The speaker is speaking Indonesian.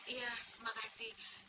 iya terima kasih